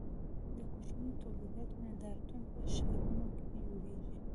د کوچنیو تولیداتو نندارتونونه په ښارونو کې جوړیږي.